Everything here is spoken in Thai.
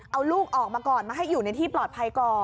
เอาลูกออกมาก่อนมาให้อยู่ในที่ปลอดภัยก่อน